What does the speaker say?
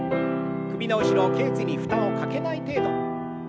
首の後ろけい椎に負担をかけない程度。